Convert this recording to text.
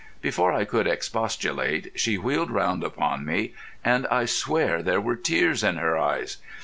Before I could expostulate she wheeled round upon me, and I swear there were tears in her eyes.